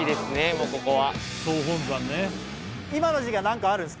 もうここは。